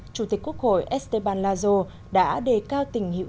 chủ tịch quốc hội esteban lazo đã đề cao tình hữu